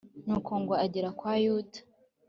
nuko ngo agere kwa yuda